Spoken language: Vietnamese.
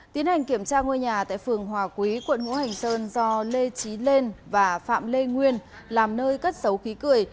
tiến hành kiểm tra ngôi nhà tại phường hòa quý quận ngũ hành sơn do lê trí lên và phạm lê nguyên làm nơi cất xấu khí cười